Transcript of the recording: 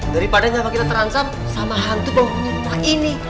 daripada nyawanya kita terancam sama hantu bangunan rumah ini